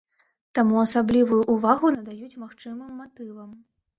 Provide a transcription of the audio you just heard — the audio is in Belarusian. Таму асаблівую ўвагу надаюць магчымым матывам.